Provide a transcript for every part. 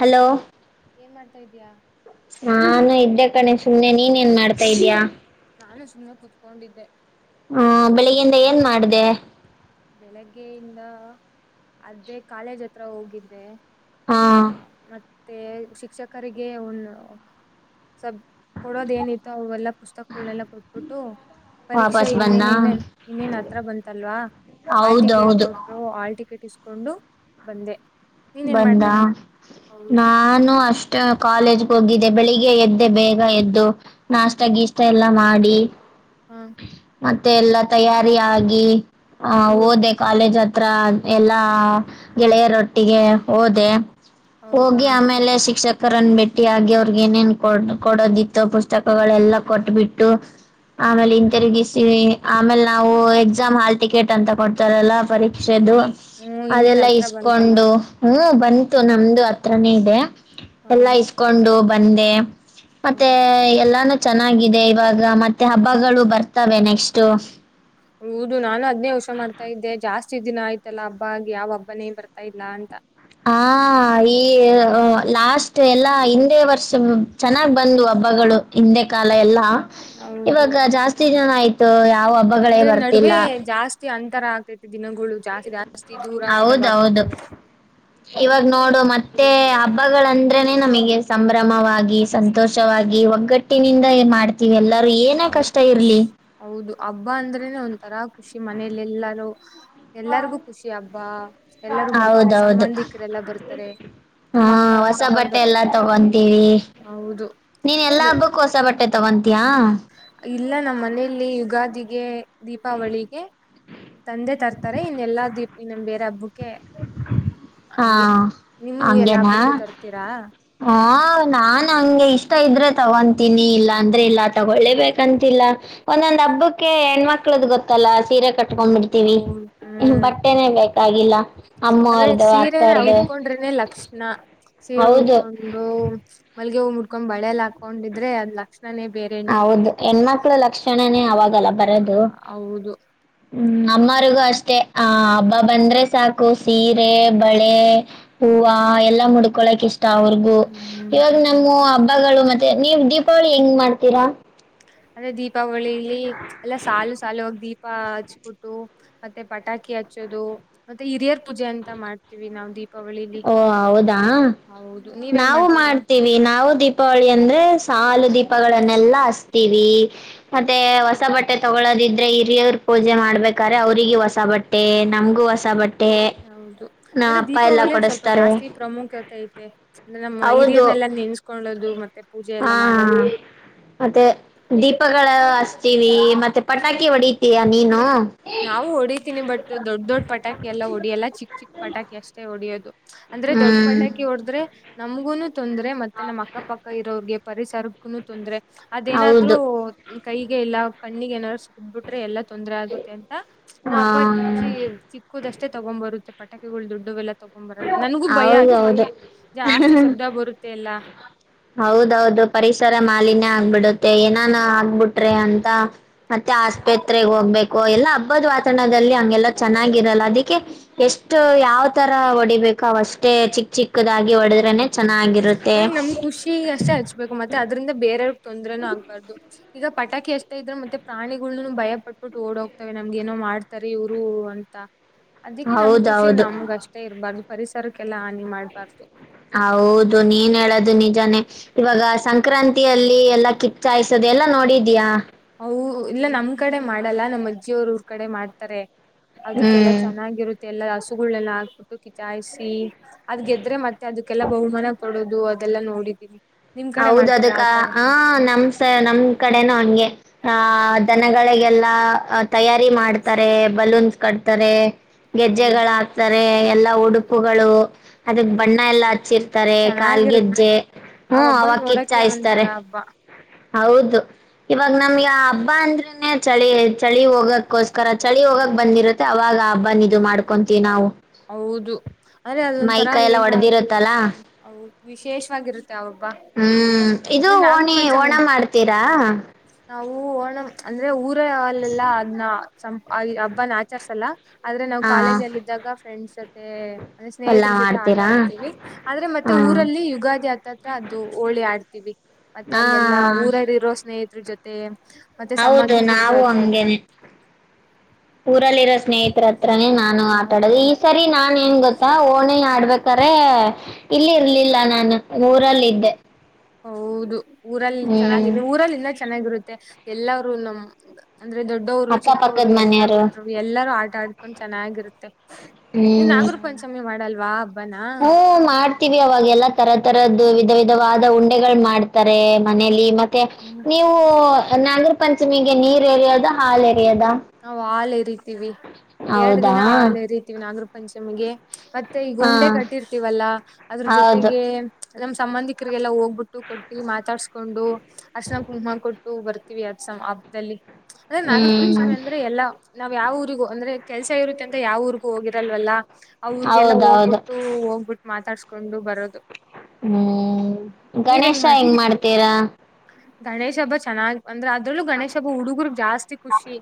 Hello. ಏನ್ ಮಾಡತಾ ಇದೀಯಾ. ಕುಂತಕೊಂಡಿನಿ ಸುಮನೆ ನೀನ್ ಏನ್ ಮಾಡ್ತಾ ಇದೀಯಾ. ನಾನು ಸುಮ್ಮ ಕುತ್ಕೊಂಡಿದ್ದೆ. ಹ್ಮ ಬೆಳಿಗೆ ಇಂದ ಏನ್ ಮಾಡದೇ. ಬೆಳಗ್ಗೆಯಿಂದ ಅದೇ ಕಾಲೇಜ್ ಹತ್ರ ಹೋಗಿದ್ದೆ. ಹಾ ಮತ್ತೆ ಶಿಕ್ಷಕರಿಗೆ ಒಂದು ಸ. ಕೊಡೋದ ಏನಿತ್ತು ಅವೆಲ್ಲಾ ಪುಸ್ತಕಗಳನೆಲ್ಲ ಕೊಟ್ಬಿಟ್ಟು. ಪರೀಕ್ಷೆ ವಾಪಸ್ ಬಂದ ಇನ್ನೇನ್ ಇನ್ನೇನ್ ಇನ್ನೇನ್ ಹತ್ರ ಬಂತಲ್ವಾ. ಹಾಲ್ ಟಿಕೆಟ್ ಹೌದೌದು ಕೊಟ್ರು ಹಾಲ್ ಟಿಕೆಟ್ ಇಸ್ಕೊಂಡು ಬಂದೆ. ನೀನ್ ಏನ್ ಬಂದ ಮಾಡ್ದೆ ಹೌದು ನಾನು ಅಷ್ಟ. ಕಾಲೇಜ್ಗೆ ಹೋಗಿದೆ ಬೆಳಿಗ್ಗೆ ಎದ್ದೆ ಬೇಗ ಎದ್ದು ನಾಷ್ಟ ಗೀಸ್ಟಾ ಎಲ್ಲಾ ಮಾಡಿ. ಹ ಹಾ ಮತ್ತೆ ಎಲ್ಲ ತಯಾರಿ ಆಗಿ ಹ್ಮ್ಮ್ ಹೋದೆ ಕಾಲೇಜ್ ಹತೀರ. ಹತ್ರ ಎಲ್ಲಾ ಗೆಳೆಯರೊಟ್ಟಿಗೆ ಹೋದೆ. ಹೌದಾ ಹೋಗಿ ಆಮೇಲೆ ಶಿಕ್ಷಕ. ಅವರನ ಬೆಟ್ಟಿ ಹಾಗಿ ಅವರಿಗ ಏನೇನ ಕೊಡೋದಿತು ಪುಸ್ತಕಗಳೆಲ್ಲಾ ಕೊಟ್ಬಿಟ್ಟು. ಆಮೇಲೆ ಇಂತಿರಾಗಿಸಿ ಆಮೇಲೆ ನಾವು ಎ. ನಮ್ಮ ಹಾಲ್ ಟಿಕೆಟ್ ಅಂತ ಕೊಡ್ತಾರಲ್ಲ ಪರೀಕ್ಷೆದು ಹೌದು ಹ್ಮ್ ಇನ್ನೇನ್ ಅದೆಲ್ಲ ಹತ್ರ ಬಂತಲ್ಲ ಇಸಕೊಂಡು. ಹ್ಮ ಬಂತು ನಮ್ದು ಹತ್ರಾನೇ ಇದೆ ಹ ಎಲ್ಲಾ ಇಸ್ಕೊಂಡು. ಬಂದೆ ಹ ಮತ್ತೆ ಎಲ್ಲ. ಚೆನ್ನಾಗಿದೆ ಇವಾಗ ಮತ್ತೆ ಹಬ್ಬಗಳು ಬರ್ತವೆ ನೆಕ್ಸ್ಟ್ ಆ ದಿನ ಆಯ್ತಲ್ಲಾ ಹಬ್ಬ ಆಗಿ ಯಾವ ಹಬ್ಬನೇ ಬರ್ತಾ ಇಲ್ಲಾ ಅಂತ ಹ ಈ ಲಾಸ್ಟ್ ಎಲ್ಲಾ ಹಿಂದೆ ವರ್ಷ ಚೆನ್ನಾಗ್ ಬಂದ್ ಹಬ್ಬಗಳು ಹಿಂದೆ ಕಾಲ ಎಲ್ಲಾ ಹೌದು ಇವಾಗ ಜಾಸ್ತಿ ಜನ ಆಯ್ತು ನಾವವು ಹಬ್ಬಗಳೇ ಅಂದ್ರೆ ಬರ್ತಿಲ್ಲ ನಡುವೆ ಜಾಸ್ತಿ ಅಂತರ ಆಗ್ತೈತಿ ದಿನಗಳು ಜಾಸ್ತಿ ಜಾಸ್ತಿ ದೂರ ಇದ್ದಾವ ಹೌದೌದು ಹಬ್ಬಗಳು ಇವಾಗ ನೋಡು ಮತ್ತೆ ಹಬ್ಬಗಳಂದ್ರೆನೆ ನಮಗೆ ಸಂಭ್ರಮವಾಗಿ ಸಂತೋಷವಾಗಿ ಗಟ್ಟಿನಿಂದ ಏ ಮಾಡ್ತೀವಿ ಎಲ್ಲ ಹೌ ಹೌದು ಹಬ್ಬ ಅಂದ್ರೇನೆ ಒಂಥರ ಖುಷಿ ಮನೇಲೆ ಎಲ್ಲಾರೂ ಎಲ್ಲರಿಗೂ ಖುಷಿ ಹಬ್ಬಾ ಎಲ್ಲಾರೂ ಬರ್ತಾರೆ ಹೌದೌದು ಸಂಬಂಧಿಕರೆಲ್ಲಾ ಬರ್ತಾರೆ ಹಾ ನಮ್ಮ ಅಕ್ಕ ಹೊಸ ಬಟ್ಟೆ ಸಹೋದರ ಎಲ್ಲಾ ತಗೊಂತೀವಿ ಹೌದು ನೀನ್ ಎಲ್ಲಾ ಅಂದ್ರೆ ಹಬ್ಬಕ್ಕೂ ಹೊಸ ಬಟ್ಟೆ ತವಂತ ಇಲ್ಲ ನಮ್ಮ್ ಮನೆಯಲ್ಲಿ ಯುಗಾದಿಗೆ ದೀಪಾವಳಿಗೆ ತಂದೆ ತರ್ತಾರೆ ಇನ್ನ ಎಲ್ಲಾ ದೀಪ್ ಇನ್ನಮ್ ಬೇರೆ ಹಬ್ಬಕ್ಕೆ ಹಾ ಹಂಗೆ ನಿಮ ಎಲ್ಲ ಹಂಗೇನಾ ಹಬ್ಬಕ್ಕೂ ತರ್ತೀರಾ ಹಾ ನಾನ್ ಇಷ್ಟ ಇದ್ರೆ ತಗೊತೀನಿ ಇಲ್ಲ ಅಂದ್ರೆ ಇಲ್ಲ ತಗೊಳ್ಳೇಬೇಕಂತಿಲ್ಲ ಒಂದೊಂದ್ ಹಬ್ಬಕ್ಕೆ ಹೆಣ್ಮಕ್ಳದ ಗೊತ್ತಲ್ಲ ಸೀರೆ ಕಟ್ಕೊಂಡಬಿಡ್ತೀವಿ ಅವು ಹ್ಮ್ ಬಟ್ಟೆನೆೇ ಬೇಕಾಗಿಲ್ಲ ಅಮ್ಮ್ರದು ಅತ್ತರದು ಕಕೊಂಡ್ರನೆ ಲಕ್ಷಣ ಸೀರೆ ಉಡ್ಕೊಂಡು ಮಲ್ಗೆ ಹೂವು ಉಟ್ಕೊಂಡ್ ಬಳೆ ಎಲ್ಲ ಹಾಕೊಂಡಿದ್ರೆ ಅದಲ್ಲಾ ಹೌದು ಹೆಣ್ಮಕ್ಳ ಲಕ್ಷಣನೇ ಅವಾಗಲ್ಲ ಬರದು್ಮ ಹೌದು ಅಮ್ಮರಿಗೂ ಅಷ್ಟೇ ಆ ಹಬ್ಬ ಬಂದ್ರೆ ಸಾಕು ಸೀರೆ ಬಳೆ ಹೂವು ಹ ಎಲ್ಲ ಮುಡ್ಕೊಳ್ಳಕ ಇಷ್ಟ ಅವ್ರಗೂ ಹ್ಮ್ ಇವಾಗ ನಮ್ಮ ಹಬ್ಬಗಳು ಮತ್ತೆ ನೀವ ದೀಪಾವಳಿ ಹೆಂಗ್ ಮಾಡ್ತೀರಾ ಅದ್ರೆ ದೀಪಾವಳಿಲಿ ಎಲ್ಲಾ ಸಾಲು ಸಾಾಲುವಾಗ ದೀಪ ಹಚ್ಬಿಟ್ಟು ಮತ್ತೆ ಪಟಾಕಿ ಹಚ್ಚೋದು ಮತ್ತೆ ಹಿರಿಯರ್ ಪೂಜೆ ಅಂತ ಮಾಡ್ತೀವಿ ನಾವು ದಪ ಓ ಹೌದಾ ಹೌದು ನೀವ್ ಹೆಂಗ್ ನಾವು ಮಾಡ್ತೀರಾ ಮಾಡ್ತೀವಿ ನಾವು ದೀಪಾವಳಿ ಅಂದ್ರೆ ಸಾಲು ದೀಪಗಳನ್ನೆಲ್ಲಾ ವಿ ಮತ್ತೆ ಹೊಸ ಬಟ್ಟೆ ತಗೊಳೋದಿದ್ರೆ ಹಿರಿಯರು ಪೂಜೆ ಮಾಡ್ಬೇಕಾರೆೆ ಅವ್ರಿಗೆ ಹೊಸ ಬಟ್ಟೆ ಬಟ್ಟೆ ನಮ್ಗೂ ಹೊಸ ಬಟ್ಟೆ ಹೌದು ನಮ್ಮ ಅಂದ್ರೆ ಅಪ್ಪ ಎಲ್ಲ ದೀಪಾವಳಿ ಸ್ವಲ್ಪ ಕೊಡಿಸ್ತಾರೆ ಜಾಸ್ತಿ ಪ್ರಾಮುಖ್ಯತೆ ಐತೆ ಅಂದ್ರೆ ನಮ್ಮ ಹೌದು ಹಿರಿಯರನ್ನ ಎಲ್ಲಾ ನೆನ್ಸ್ಕೊಳ್ಳೋದು ಮತ್ತೆ ಪೂಜೆ ಹಾ ಎಲ್ಲಾ ಮಾಡೋದು ಮತ್ತೆ ದೀಪಗಳ ಅಸ್ತೀವಿ ಮತ್ತೆ ಪಟಾಕಿ ಹೊಡಿತೀಯಾ ನೀನು ನಾವು ಹೊಡಿತೀನಿ ಬಟ್ ದೊಡ್ಡ ದೊಡ್ ಪಟಾಕಿ ಎಲ್ಲ ಹೊಡೆಯಲ್ಲ ಚಿಕ್ ಚಿಕ್ ಪಟಾಕಿ ಅಷ್ಟೇ ಹೊಡಿಯೋದು ಅಂದ್ರೆ ದೊಡ್ಡ ಹ್ಮ್ ಪಟಾಕಿ ಹೊಡದ್ರೆ ನಮ್ಗುನು ತೊಂದ್ರೆ ಮತ್ತೆ ನಮ್ಮ್ ಅಕ್ಕ ಪಕ್ಕ ಇರೋರ್ಗೆ ಪರಿಸರಕ್ಕನು ತೊಂದ್ರರೆ ಅದೇನಾದ್ರು ಹೌದು ಕೈಗೆ ಎಲ್ಲ ಕಣ್ಣಿಗೆ ಏನಾದ್ರು ಸ್ ಬಿಟ್ರೆ ಎಲ್ಲ ತೊ ಅಂತ ನಾ ಹಾ ಅಪ್ಪಜ್ಜಿ ಚಿಕ್ಕೋದಷ್ಟೇ ತಗೊಂಡ್ ಬರುತ್ತೆ ಪಟಕಿಗಳು ದೊಡ್ಡವೆಲ್ಲ ತಗೊಂಬರಲ್ಲ ನನ್ಗೂ ಭಯ ಹೌದೌದು ಹಚ್ಚೋಕೆ ಜಾಸ್ತಿ ಶಬ್ದ ಬರುತ್ತೆ ಎಲ್ಲ ಹೌದೌದು ಪರಿಸರ ಮಾಲಿನ್ ಆಗ್ಬಿಡುತ್ತೆ ಏನಾನ ಆಗ್ಬಿಟ್ರೆ ಅಂತ ಮತ್ತೆ ಆಸ್ಪತ್ರೆಗೆಗ್ ಹೋಗ್ಬೇಕು ಎಲ್ಲಾ ಹಬ್ಬದ ವಾತಾವರಣದಲ್ಲಿ ಹಗೆಲ್ಲ ಚೆನ್ನಾಗಿರಲ್ಲ ಅದಕ್ಕೆ ಎಷ್ಟು ಯಾವ್ ತರ ಹೊಡಿಬೇಕು ಅವಷ್ಟೇ ಚಿಕ್ ಚಿಕ್ ಹೌದು ಅ್ರ ನಮ್ ಖುಷಿ ಅಷ್ಟೇ ಹಚ್ಬೇಕು ಮತ್ತೆ ಅದ್ರಿಂದ ಬೇರೆಯವ್ರ ತೊಂದ್ರನೂ ಆಗ್ಬಾರ್ದು ಈಗ ಪಟಾಷ್ಟತಾ ಇದ್ರೆ ಮತ್ತೆ ಪ್ರಾಣಿಗಳ್ನನು ಭಯ ಪಟ್ಬಿಟ್ಟು ಓಡ ಹೋಗ್ತವೆ ನಮ್ಗೆ ಏನೋ ಮಾಡ್ತಾರೆ ಇವರು ಅಂತ ಅದಿಕ್ಕೆ ನಮ್ ಖುಷಿ ಹೌದೌದು ನಮ್ಗ ಅಷ್ಟೇ ಇರಬಾರ್ದು ಪರಿಸರಕ್ಕೆಲ್ಲಾ ಹಾನಿ ಮಾಡ್ಬಾರ್ದು ಹ ಹೌದು ನೀನ್ ಹೇಳೋದು ನಿಜಾನೇ ಇವಾಗ ಸಂಕ್ರಾಂತಿಯಲ್ಲಿ ಎಲ್ಲಾ ಕಿಚ್ಚು ಹಾಯಿಸೋದು ಎಲ್ಲಾ ನೋಡಿದ್ಯಾ ಹ ಇಲ್ಲ ನಮ್ ಕಡೆ ಮಾಡಲ್ಲ ನಮ್ಮ್ ಅಜ್ಜಿಯ ಅವರು ಊರ್ ಕಡೆ ಮಾಡ್ತಾರೆ ಅದಕ್ಕೆಲ್ಲ ಹ್ಮ್ ಚೆನ್ನಾಗಿರುತ್ತೆ ಮತ್ತ ಎಲ್ಲಾ ಹಸುಗಳೆಲ್ಲ ಹಾಕ್ಬಿಟ್ಟು ಕಿಚಾಯಿಸಿ ಅದ ಗೆದ್ರೆ ಮತ್ತೆ ಅದಕ್ಕೆಲ್ಲಾ ಬಹುಮಾನ ಕೊಡೋದು ಅದೆಲ್ಲಾ ನೋಡಿದೀರಿ ಹೌದ ಅದಕ್ಕ ಆ ನಮಸ ನಮ್ ಕಡೆನ ಅವಂಗೆ ಆ ದನಗಳಿಗೆ ಎಲ್ಲಾ ತಯಾರಿ ಮಾಡ್ತಾರೆ ಬಲೂನ್ಸ್ ಕಟ್ತಾರೆ ಹೌದ್ ಗೆಜ್ಜೆಗಳು ಹಾಕ್ತಾರೆ ಎಲ್ಲಾ ಉಡುಪುಗಳು ಅದಕ್ ಹೌದು. ಬಣ್ಣ ಎಲ್ಲಾ ಹಚ್ಚಿರ್ತಾರೆ ಕಾಲ ಚೆನ್ನಾಗಿರುತ್ತೆ ಗೆಜ್ಜೆ ಆ ಹ್ಮ ಹಬ್ಬ ಅವ ಕ ನೋಡಕ್ಕೆ ಇಚ್ಚಾಯ್ತಾರೆ ಒಂಥರ ಹಬ್ಬ ಹೌದು ಇವಾಗ ನಮ್ಗೆ ಹಬ್ಬ ಅಂದ್ರನೆ ಚಳಿ ಚಳಿ ಹೋಗ ಹೋಗಕೋಸ್ಕರ ಚಳಿ ಹೋಗಕ್ ಬಂದಿರುತ್ತೆ ಅವಾಗ ಹಬ್ಬಾ ಇದು ಮಾಡ್ಕೊಂತೀವಿ ನಾವು ಹೌದು ಅಂದ್ರೆ ಮೈ ಅದೊಂಥರ ಕೈ ಎಲ್ಲ ಏನೋ ಒಡೆದಿರುತ್ತಲ್ಲ ವಿಶೇಷವಾಗಿರುತ್ತೆ ಆ ಹಬ್ಬ ಹ್ಮ್ ಇದು ಅಂದ್ರೆ ನಾಗರ ಓಣಿ ಪಂಚಮಿ ಓಣ ಮಾಡ್ತೀರಾ ನಾವು ಓಣ ಅಂದ್ರೆಊ ರ ಅವಲ್ಲೆಲ್ಲಾ ಅದ್ನ ಹಬ್ಬನ ಆಚಸಲ್ಲ ಆದ್ರೆ ನಾವು ಹಾ ಕಾಲೇಜ ಅಲ್ಲಿ ಇದ್ದಾಗ ಸ ಅಂದ್ರೆ ಪಲ್ಲಾ ಸ್ನೇಹಿತರ ಜೊತೆ ಆಟ ಮಾಡ್ತೀರಾ ಆಡ್ತಿೀವಿ ಆದ್ರೆ ಹ ಮತ್ತೆ ಊರಲ್ಲಿ ಯುಗಾದಿ ಆತ್ತತ್ರ ಅದು ಹೋಳಿ ಆಡ್ತೀವಿ ಮತ್ತೆ ಹಾ ಅಲ್ಲೆಲ್ಲಾ ಊರಲ್ಲಿ ಇರೋ ಸ್ನೇಹಿತರ ಜೊತೆ ಮತ್ತೆ ಹೌದು ಸಂಬಂಧಿಕರ ನಾವು ಜೊತೆ ಎಲ್ಲ ಅಂಗೇನೆ ಊರಲ್ಲಿರೋ ಸ್ನೇಹಿತರ ಹತ್ರನೇ ನಾನು ಆಟಾಡೋದು ಈ ಸರಿ ನಾನನ್ ಏನ್ ಹ ಗೊ ಓಣಿ ಆಡ್ಬೇಕ್ರೆ ಇಲ್ಲಿ ಇರ್ಲಿಲ್ಲ ನಾನು ಊರಲ್ಲ ಇದಿದ್ದೆ ಹೌದು ಊರಲ್ಲಿ ಚೆನ್ನಾಗಿ ಊರಲ್ಲಿಂದ ಚೆನ್ನಾಗಿರುತ್ತೆ ಎಲ್ಲರರು ನಮ ಅಂದ್ರೆ ದೊಡ್ಡವರು ಚಿಕ್ಕವರು ಅಕ್ಕಪಕ್ಕದ ಮನೆಯವರು ಎಲ್ಲಾರರು ಎಲ್ಲಾರೂ ಆಟ ಆಡ್ಕೊಂಡ್ ಚೆನ್ನಾಗಿರುತ್ತೆ ನೀವ್ ಹ್ಮ್ ನಾಗರ ಪಂಚಮಿ ಮಾಡಲ್ ಹ್ಮ ಮಾಡ್ತೀವಿ ಅವಾಗ ಎಲ್ಲಾ ತರ ತರದು ವಿಧ ವಿಧವಾದ ಉಂಡೆಗಳು ಮಾಡ್ತಾರೆ ಮನೇಲಿ ಮತ್ತೆ ನೀವು ನಾಗರ ಪಂಚಮಿಗೆ ನೀರ್ ಏರಿಯೋದು ಹಾಾಲ ನಾವವು ಹಾಲ್ ಇರಿತಿೀವಿ ಎರಡ್ ಹೌದಾ ದಿನ ಹಾಲ್ ಇರಿತಿೀವಿ ನಾದ್ರರು ನಿಮಗೆ ಮತ್ತೆ ಈಗ ಹಾ ಉಂಡೆ ಕಟ್ಟಿರ್ತೀವಲ್ಲ ಅದ್ರ ಹೌದು ಜೊತೆಗೆ ನಮ್ ಸಂಬಂಧಿಕರಿಗೆಲ್ಲಾ ಹೋಗ್ಬಿಟ್ಟು ಕೊಟ್ಟಿ ಮಾತಾಡ್ಸ್ಕೊಂಡು ಅರ್ನ ಕುಂಮ ಕೊಟ್ಟು ಬರ್ತೀವಿ ಅಸ ಹಬ್ದಲ್ಲಿ ಅದ್ರೆ ನಾಗರ ಪಂಚಮಿ ಹ್ಮ್ ಅಂದ್ರೆ ಎಲ್ಲಾ ನಾವ್ ಯಾವ ಊರಿಗೂ ಅಂದ್ರೆ ಕೆಲ್ಸ ಇರುತ್ತೆ ಅಂತ ಯಾವ ಊರಿಗೂ ಹೋಗಿರಲ್ವಲ್ಲ ಅವ ್ರಗೆಲ್ಲ ಹೌದೌದು ಹೋಗ್ಬಿಟ್ಟು ಹೋಗ್ಬಿಟ್ಟು ಮಾತಾಡ್ಸ್ಕೊಂಡು ಬರೋದು ಹ್ಮ್ ಗಣೇಶ ಹೆಂಗ್ ಮಾಡ್ತೀರಾ ಗಣೇಶ್ ಹಬ್ಬ ಚೆನ್ನಾಗ್ ಅಂದ್ರೆ ಅದ್ರಲ್ಲೂ ಗಣೇಶ್ ಹಬ್ಬ ಹುಡುಗರು ಜಾಸ್ತಿ ಖುಷಿ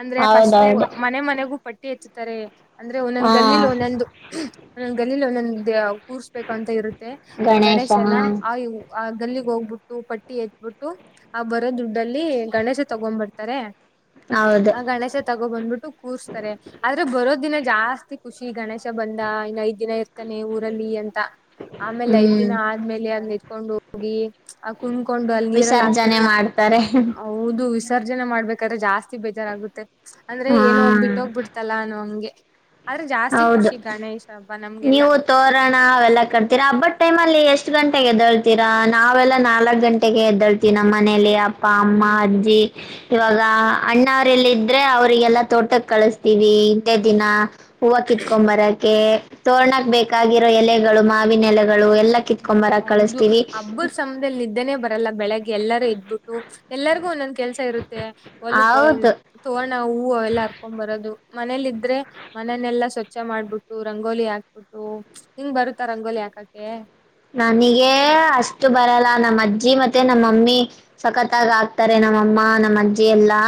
ಅಂದ್ರೆ ಫಸ್ು ಹೌದೌದು ಮನೆ ಮನೆಗೂ ಪಟ್ಟಿ ಎತ್ತತಾರೆ ಅಂದ್ರೆ ಹಾ ಒಂದೊಂದ್ ಗಲ್ಲಿಲ್ ಒಂದೊಂದು ಒಂದೊಂದ್ ಗಲ್ಲಿಲ್ ಒಂದೊಂದು ದ ಕೂರ್ಸ್ಬೇಕು ಅಂತ ಇರುತ್ತೆ ಗಣೇಶ ಹಾ ಗಣೇಶನ ಆ ಆ ಗಲ್ಲಿಗ್ ಹೋಗ್ಬಿಟ್ಟು ಪಟ್ಟಿ ಎತ್ಬಿಟ್ಟು ಆ ಬರೋ ದುಡ್ಡಲ್ಲಿ ಗಣೇಶ ತಗೊ್ಬಡ್ತಾರೆ ಹೌದು ಆ ಗಣೇಶ ತ ಬಂದ್ಬಿಟ್ಟು ಕೂರ್ಸ್ತಾರೆ ಆದ್ರೆ ಬರೋ ದಿನ ಜಾಸ್ತಿ ಖುಷಿ ಗಣೇಶ ಬಂದ ಇನ್ನಐದು ಐದ್ ದಿನ ಇರ್ತಾನೆ ಊರಲ್ಲಿ ಅಂತ ಆಮೇಲೆ ಐದ್ ಹ್ಮ್ ದಿನ ಆದ್ಮೇಲೆ ಅದ್ನ ಇಟ್ಕೊಂಡ್ ಹೋಗಿ ಆ ಕುಣಕೊಂಡು ಅಲ್ಲಿ ನೀರೆಲ್ಲ ಹಾಕ್ಬೇಕ ವಿಸರ್ಜನೆ ಮಾಡ್ತಾರೆ ಹೌದು ವಿಸರ್ಜನೆ ಮಾಡ್ಬೇಕಾದ್ರೆ ಜಾಸ್ತಿ ಬೇಜಾರಾಗುತ್ತೆ ಅಂದ್ರೆ ಹಾ ಏನೋ ಬಿಟ್ಟೋಗ್ಬ ಬಿಡ್ತಲ್ಲ ಅನೋಹಂಗೆ ಹೌದು ಹಬ್ಬ ನಮ್ಗೆಲ್ಲಾ ನೀವು ತೋೋಣ ಅವೆಲ್ಲ ಕಡ್ತೀರಾ ಹಬ್ಬದ ಟೈಮ್ ಅಲ್ಲಿ ಎಷ್ಟ ಎಷ್ಟ ಗಂಟೆಗೆ ಎದ್ದಳ್ತೀರಾ ನಾವೆಲ್ಲಾ ನಾಲ್ಕಕ್ ಗಂಟೆಗೆ ಎದ್ದಳ್ತೀ ನಮ್ಮ ಮನೇಲಿ ಪ್ಪ ಅಮ್ಮ ಹ್ಮ್ ಅಜ್ಜಿ ಇವಾಗ ಅಣ್ಣ ಅವ್ರಲ್ಲ ಇದ್ರೆ ಅವ್ರರಿಗೆಲ್ಲಾ ತೋಟಕ್ಕೆ ಕಳಸ್ತ ಇೆ ದಿನ ಹೂವು ಕಿತ್ಕೊ್ ಬರಕೆ ತೋಣಕ್ ಬೇಕಾಗಿ ೋ ಎಲೆಗಳು ಮಾವಿನ ಎಲೆಗಳು ಎಲ್ಲಿತ್ಕೊಂಬ ಹೌದು ಹಬ್ಬದ ಸಮದಲ್ಲಿ್ದೇನೆ ಬರಲ್ಲ ಬೆಳಿಗ್ಗೆ ಎಲ್ಲರೂ ಇದ್ಬಿಟ್ಟು ಎಲ್ಲರಿಗು ಒಂದೊಂದ ಕೆಲಸ ಇರುತ್ತೆ ಹೊಲಕ ಹೌದು ತೋರ್ರಣ ಹೂವು ಎಲ್ಲ ಹರ್ಕೊಂಡ್ ಬರೋದು ಮನೇಲ್ ಇದ್ರೆ ಮನನೆೆಲ್ಲಾ ಸ್ವಚ್ಛ ಮಾಡ್ಬಿಟ್ಟು ರಂಗೋಲಿ ಹಾಕ್ಬಿಟ್ಟು ಹಿಂಗ್ ಬರುತ್ತಾ ರಂಗೋಲಿ ಹಾಕ್ ಎಕಗೆ ನಮ್ಮ್ ಅಜ್ಜಿ ಮತ್ತೆ ನಮ್ಮಮ್ಮಿ ಸಖತ್ತಾಗಿ ಆಗ್ತಾರೆ ನಮ್ಮಅಮ್ಮ ನಮ್ಮ ಅಜ್ಜಿ ಎಲ್ಲಾ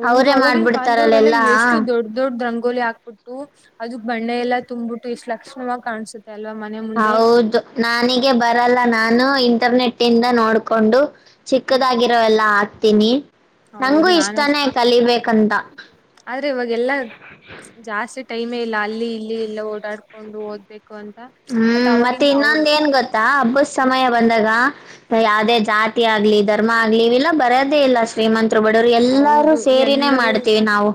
ಹೌದು ಅವಾಗಿನ್ ಕಾಲದವರೆಲ್ಲ ಎಷ್ಟು ದೊಡ್ಡ ದೊಡ್ಡಂತ ರಂಗ್ಗೋಲಿ ಹಾಕ್ಬಿಟ್ಟು ಅದಕ್ ಬಣ್ಣೆ ಎಲ್ಲ ತಂಬ್ಬಿಟ್ಟು ಎಷ್ಟು ಲಕ್ಷಣವಾಗಿ ಕಾಣಸುತ್ತೆ ಅಲ್ವಾ ಮನೆ ಮುಂದೆ ಹೌದು ನಾನಿಗೆ ಬರಲ್ಲ ನಾನು ಇಂಟರ್ನೆಟ್ ಇಂದ ನೋಡ್ಕೊಂಡು ಹ್ಮ್ ಚಿಕ್ಕದಾಗಿರೋ ಎಲ್ಲ ಹಾಕ್ತೀನಿ ನಂಗೂ ಹೌದು ನಾನು ಇಷ್ಟನೇ ಕಲಿಬೇಕಂತ ಆದ್ರೆ ಇವಾಗೆಲ್ಲಾ ಜಾಸ್ತಿ ಟೈಮೇ ಇಲ್ಲ ಅಲ್ಲಿ ಇಲ್ಲಿ ಎಲ್ಲ ಓಡಾಡ್ಕೊಂಡು ಓದಬೇಕು ಹ್ಮ್ ಮತ್ತೆ ಇನ್ನೊಂದ ಏನ್ ಗೊತ್ತಾ ಹಬ್ಬದ ಸಮಯ ಬಂದಾಗ ಯಾವದೇ ಜಾತಿ ಆಗ್ಲಿ ಧರ್ಮ ಆಗ್ಲಿ ಇವೆಲ್ಲ ಬರೋದೇ ಇಲ್ಲಷ್ಟ ಶ್ರೀಮಂತರು ಬಡವರು ಎಲ್ಲಾರೂ ಹೌದು ಸೇರಿನೇ ಎಲ್ಲರೂ ಮಾಡ್ತೀವಿ ನಾವು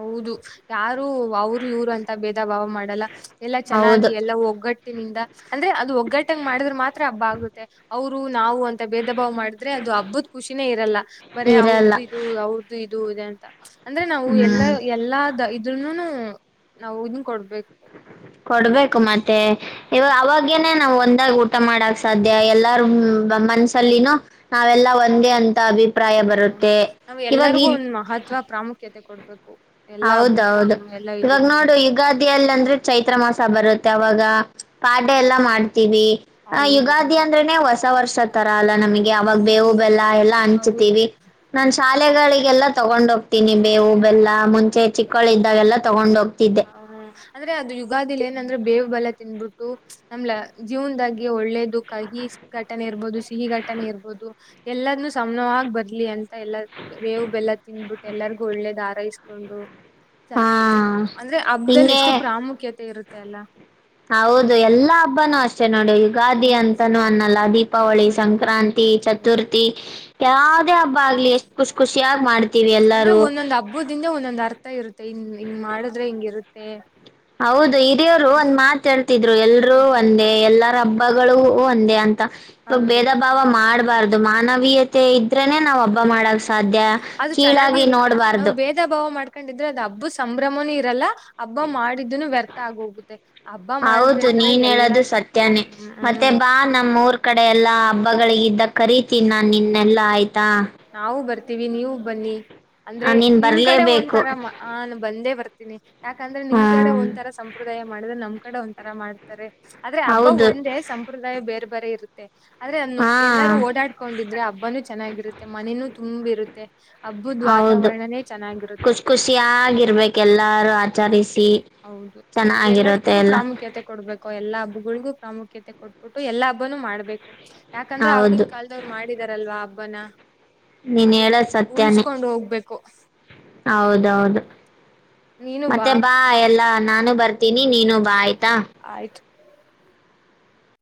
ಹೌದು ಯಾರು ಅವರು ಇವ್ರು ಅಂತ ಭೇದ ಭಾವ ಮಾಡ ಲಾ ಎಲ್ಲ ಹೌದು ಚೆನ್ನಾಗಿ ಎಲ್ಲ ಒಗ್ಗಟ್ಟಿನಿಂದ ಅಂದ್ರೆ ಅದು ಒಗ್ಗಟ್ಟಂಗ ಮಾಡಿದ್ರ ಮಾತ್ರ ಹಬ್ಬ ಆಗುತ್ತೆ ಅವರು ನಾವು ಅಂತ ಭೇದ ಭಾವ್ ಮಾಡಿದ್ರೆ ಅದು ಹಬ್ಬದ ಖುಷಿನೇ ಇರಲ್ಲ ಬರೇ ಅವ ಇರಲ್ಲ ಇದು ಅವ್ರದುು ಇದು ಇದೆ ಅಂತ ಅಂದ್ರೆ ನಾವು ಎಲ್ಲಾ ಹ್ಮ್ ಎಲ್ಲ ಇದ್ರನುನು ನಾವು ಇದನ್ ಕೊಡ್ಬೇಕು ಕೊಡ್ಬೇಕು ಮತ್ತೆ ಇವ ಅವಾಗೇನೆೇ ನಾವ ಒಂದಾಗ ಊಟ ಮಾಡಕ್ ಸಾಧ್ಯ ಎಲ್ಲಾರೂ ಮನ್ಸಲ್ಲಿನು ನಾವೆಲ್ಲಾ ಒಂದೇ ಅಂತ ಅಭಿ ಹೌದು ನಾವ್ ಎಲ್ಲರಿಗೂ ಒಂದ್ ಮಹತ್ವ ಪ್ರಾಮುಖ್ಯತೆ ಕೊಡ್ಬೇಕು ಎಲ್ಲಾ ಹೌದೌದು ಹಬ್ಬಕ್ಕೂನು ಎಲ್ಲಾ ಇವಾಗ ಇದಕ್ಕೂನು ನೋಡು ಯುಗಾದಿಯಲ್ಲಿ ಅಂದ್ರೆ ಚೈತ್ರ ಮಾಸ ಬರುತ್ತ ಅವಾಗ ಪಾಡ್ಯ ಎಲ್ಲಾ ಮಾಡ ಮಾಡ್ತೀವಿ ಹೌದು ಯುಗಾದಿ ಅಂದ್ರೆನೆ ಹೊಸ ವರ್ಷ ತರ ಅಲ್ಲ ನಮಗೆ ಅವಾಗ ಬೇವು ಬೆಲ್ಲ ಎಲ್ಲಾ ಹಂಚ [unintelligible] ನಾನ್ ಶಾಲೆಗಳಿಗೆಲ್ಲಾ ತಗೊಂಡ ಹೋಗ್ತೀನಿ ಬೇವು ಬೆಲ್ಲ ಮುಂ ಚೆ ಚಿಕ್ಕಳ ಇದ್ದಾವೆಲ್ಲ ತಗೊಂಡ ಹೋಗ್ತಿದ್ದೆ ಹ್ಮ್ ಅಂದ್ರೆ ಅದು ಯುಗಾದಿಲಿ ಏನಂದ್ರೆ ಬೇವು ಬೆಲ್ಲ ತಿನ್ಬಿಟ್ಟು ನಮ್ಲ ಜೀವನದಾಗಿ ಒಳ್ಳೇದ ಕಹಿ ಘಟನೆ ಇರ್ಬಹುದು ಸಿಹಿ ಘಟನೆ ಇರ್ಬಹುದು ಎಲ್ಲದನ್ನುೂ ಸಮನವಾಗಿ ಬರ್ಲಿ ಅಂತ ಎಲ್ಲ ಬೇವು ಬೆಲ್ಲ ತಿಿಂದಬಿಟ್ಟು ಒಳ್ಳೆ ಹಾರೈಸಿಕೊಂಡೂ ಹಾ ಅಂದ್ರೆ ಹಬ್ದಲ್ಲಿ ಹಿಂಗೆ ಎಷ್ಟು ಪ್ರಾಮುಖ್ಯತೆ ಇರುತ್ತೆ ಎಲ್ಲಾ ಹೌದು ಎಲ್ಲಾ ಹಬ್ಬನುೂ ಅಷ್ಟೆ ನೋಡಿ ಯುಗಾದಿ ಹ್ಮ್ ಅಂತಾನೂ ಅನ್ನಲ್ಲ ದೀಪ ದೀಪಾವಳಿ ಸಂಕ್ರಾಂತಿ ಚತುರ್ಥಿ ಯಾವುದೇ ಹಬ್ಬ ಆಗ್ಲಿ ಎಷ್ಟು ಖುಷಿ ಖುಷಿಯಾಗಿ ಮಾಡ್ತೀವಿ ಅಂದ್ರೆ ಎಲ್ಲಾರು. ಒಂದೊಂದ್ ಹಬ್ಬದಿಂದ ಒಂದೊಂದ್ ಅರ್ಥ ಇರುತ್ತೆ ಇನ್ ಹಿಂಗ್ ಮಾಡುದ್ರೆ ಹಿಂಗ ಇರುತ್ತೆ ಹೌದು ಹಿರಿಯರು ಒಂದ್ ಮಾತಾಳ್ತಿದ್ರು ಎಲ್ರುೂ ಒಂದೇ ಎಲ್ಲಾ ಹಬ್ಬಗಳು ಒಂದೇ ಅಂತ ಹೌದು ಭೇದ ಭಾವ ಮಾಡಬಾರ್ದು ಮಾನವೀಯತೆ ಮತ್ತೆ ಇದ್ರನೆ ನಾವ್ ಹಬ್ಬ ಮಾಡಕ್ ಸಾಧ್ಯ ಅದು ಕೀಳಾಗಿ ನೋಡ್ಬಾರ್ದು ಇದ್ರೆ ಅದು ಹಬ್ಬು ಸಂಭ್ರಮನೂ ಇರಲ್ಲ ಹಬ್ಬ ಮಾಡಿದ್ನು ವ್ಯರ್ಥ ಆಗ ಹೋಗುತ್ತೆ ಹಬ್ಬ ಮಾಡಿದ್ವಿ ಹೌದು ಅಂದ್ರೆ ನೀನ್ ಎಲ್ಲಾ ಹೇಳೋದು ಸತ್ಯಾನೇ. ಮತ್ತೆ ಬಾ ನಮ್ಮ್ ಊರ್ ಕಡೆ ಎಲ್ಲಾ ಹಬ್ಬಗಳಿಿಗೆ ಇದ್ದ ಕರೀತ ನಾನ್ ನಿನ್ನೆಲ್ಲಾ ಆಯ್ತು ನಾವು ಬರ್ತೀವಿ ನೀವು ಬನ್ನಿ ಆ ಅಂದ್ರೆ ನೀನ್ ನಿಮ್ ಕಡೆ ಬರ್ಲೇಬೇಕು. ಒಂದ್ತರ ಬಂದೇ ಬರ್ತ ತಿನಿ ಯಾಕಂದ್ರೆ ಹಾ ನಿಮ್ ಕಡೆ ಒಂದತರ ಸಂಪ್ರದಾಯ ಮಾಡಿದ್ರೆ ನಮ್ ಕಡೆ ಒಂತರ ಮಾಡ್ತಾರೆ ಆದ್ರೆ ಹಬ್ಬ ಹೌದು ಒಂದೇ ಸಂಪ್ರದಾಯ ಬೇರೆ ಬೇರೆ ಇರುತ್ತೆ ಆದ್ರೆ ಅನ್ನು ಹಾ ಎಲ್ಲರೂ ಓಡಾಡ್ಕೊಂಡಿದ್ರೆ ಹಬ್ಬನುೂ ಚೆನ್ನಾಗಿರುತ್ತೆ ಮನೇನುೂ ತುಂಬಿರುತ್ತೆ ಹಬ್ಬುದ ಹೌದು ವಾತಾವರಣನೇ ಚೆನ್ನಾಗಿರುತ್ತೆ ಖುಷ್ ಖುಷಿಯಾಗಿರ್ಬೇಕ್ ಎಲ್ಲಾರು ಹಾ ಆಚರಿಸಿ ಹೌದು ಚೆನ್ನಾಗಿರುತ್ತೆ ಅದೆಲ್ಲದ್ಕ್ಕು ಎಲ್ಲ ಪ್ರಾಮುಖ್ಯತೆ ಕೊಡ್ಬೇಕು ಎಲ್ಲಾ ಹಬ್ಬ ಹಬ್ಬಗಳಿಗೂ ಪ್ರಾಮುಖ್ಯತೆ ಕೊಟ್ಬಿಟ್ಟು ಎಲ್ಲಾ ಹಬ್ಬನುೂ ಮಾಡ್ಬೇಕು ಯಾಕಂದ್ರೆ ಹೌದು ಅವಗಿನ್ ಕಾಲ್ದವ್ರು ಮಾಡಿದಾರಲ್ವಾ ಹಬ್ಬನ ನೀನ್ ಅದಕ್ ಹೇಳೋದು ಸತ್ಯನೇ ಉಳ್ಸ್ಕೊಂಡ್ ಹೋಗ್ಬೇಕು ಹೌದೌದು ಮತ್ತೆ ಬಾ ಎಲ್ಲಾ ನಾನು ಬರ್ತೀನಿ ನೀನು ಬಾ ಆಯ್ತಾ ಆಯ್ತು.